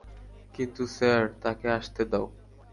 কিন্তু, স্যার--- - তাকে আসতে দাও।